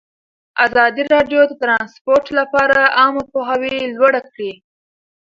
ازادي راډیو د ترانسپورټ لپاره عامه پوهاوي لوړ کړی.